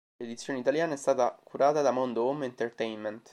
L'edizione italiana è stata curata da Mondo Home Entertainment.